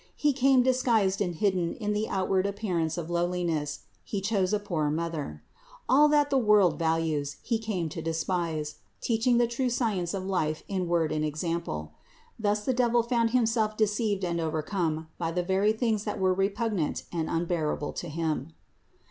He came disguised and hidden in the outward appearance of lowliness; He chose a poor Mother. All that the world values, He came to despise, teaching the true science of life in word and example. Thus the devil found himself deceived and overcome by the very things that were most repugnant and unbearable to him.